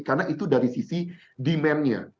karena itu dari sisi demand nya